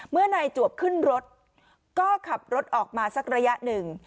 เมื่อนายจวบขึ้นรถก็ขับรถออกมาสักระยะหนึ่ง